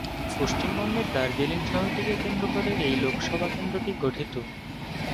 পশ্চিমবঙ্গের দার্জিলিং শহরটিকে কেন্দ্র করে এই লোকসভা কেন্দ্রটি গঠিত।